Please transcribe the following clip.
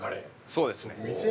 ◆そうですね。